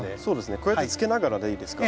こうやってつけながらでいいですか？